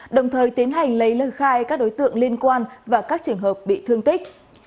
đồng thời tiến hành lấy lời khai các đối tượng liên quan và các trường hợp bị thương tích